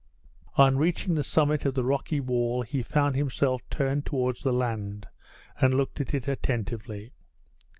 On reaching the summit of the rocky wall he found himself turned towards the land, and looked at it attentively.